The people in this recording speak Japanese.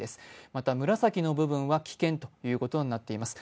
また紫の部分は危険ということになっています。